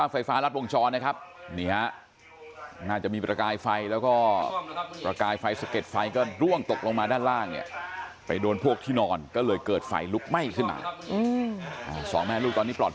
ผมก็เลยต้องพังประตู